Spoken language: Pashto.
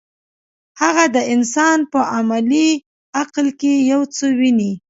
هغه د انسان په عملي عقل کې یو څه ویني.